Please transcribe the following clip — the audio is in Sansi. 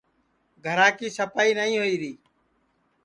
گھرا کی سپائی نائی ہوئی ری